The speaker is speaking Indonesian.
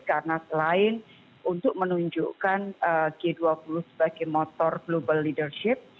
karena selain untuk menunjukkan g dua puluh sebagai motor global leadership